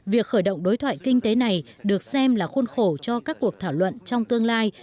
việc khởi động đối thoại kinh tế này được xem là khuôn khổ cho các cuộc thảo luận trong tương lai